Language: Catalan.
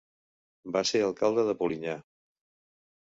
Va ser alcalde de Polinyà.